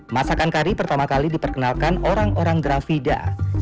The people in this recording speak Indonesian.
masakan kari pertama kali diperkenalkan orang orang grafida